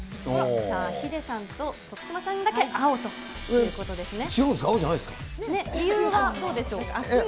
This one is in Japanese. さあ、ヒデさんと徳島さんだけ青ということですね。